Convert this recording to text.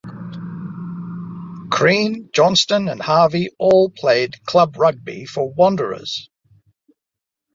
Crean, Johnston and Harvey all played club rugby for Wanderers.